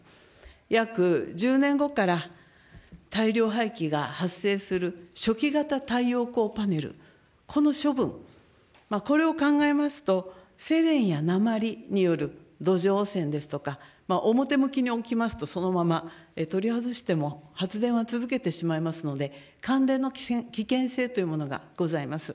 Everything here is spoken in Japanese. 約１０年後から大量廃棄が発生する初期型太陽光パネル、この処分、これを考えますと、セレンや鉛による土壌汚染ですとか、表向きに置きますと、そのまま取り外しても発電は続けてしまいますので、感電の危険性というものがございます。